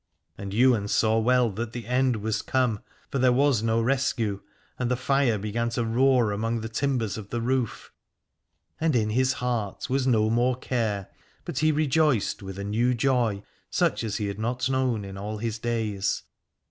And Ywain saw well that the end was come, for there was no rescue, and the fire began to roar among the timbers of the roof: and in his heart was no more care, but he rejoiced with a new joy, such as he had not known in all his days.